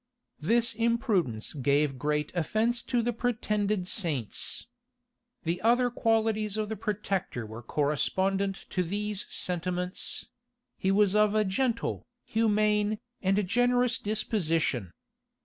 [*] This imprudence gave great offence to the pretended saints. The other qualities of the protector were correspondent to these sentiments: he was of a gentle, humane, and generous disposition.